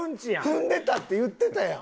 「踏んでた」って言ってたやん。